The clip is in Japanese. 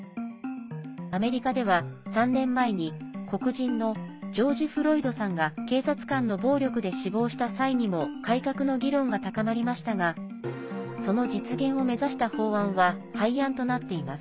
アメリカでは、３年前に黒人のジョージ・フロイドさんが警察官の暴力で死亡した際にも改革の議論が高まりましたがその実現を目指した法案は廃案となっています。